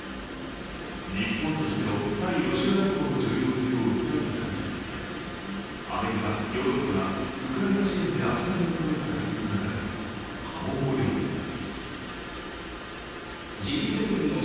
日本としての対ロシア外交の重要性を訴えた形ですが、アメリカ、ヨーロッパがウクライナ支援で足並みをそろえたタイミングなだけに波紋を呼んでいます。